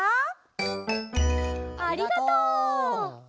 ありがとう！